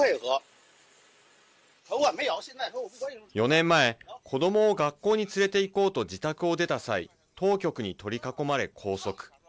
４年前、子どもを学校に連れていこうと自宅を出た際当局に取り囲まれ拘束。